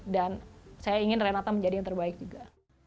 dan saya ingin renata menjadi yang terbaik juga